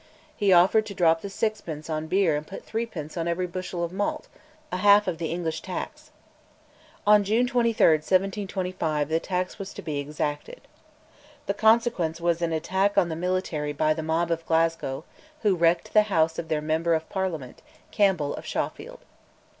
He offered to drop the sixpence on beer and put threepence on every bushel of malt, a half of the English tax. On June 23, 1725, the tax was to be exacted. The consequence was an attack on the military by the mob of Glasgow, who wrecked the house of their Member in Parliament, Campbell of Shawfield.